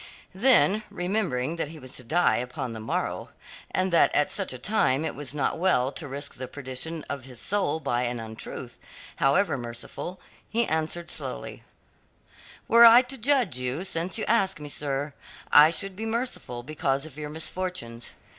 Then, remembering that he was to die upon the morrow, and that at such a time it was not well to risk the perdition of his soul by an untruth, however merciful, he answered slowly: "Were I to judge you, since you ask me, sir, I should be merciful because of your misfortunes.